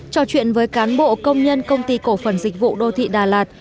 trò chuyện với cán bộ công nhân công ty cổ phần dịch vụ đô thị đà lạt